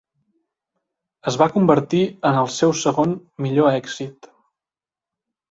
Es va convertir en el seu segon millor èxit.